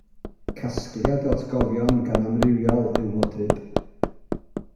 Casgliad o atgofion gan Amrywiol yw Modryb.